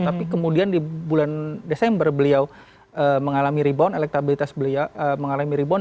tapi kemudian di bulan desember beliau mengalami rebound elektabilitas beliau mengalami rebound